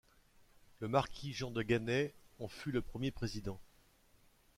Le marquis Jean de Ganay en fut le premier président.